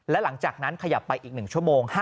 และหลังจากนั้นขยับไปอีก๑ชั่วโมง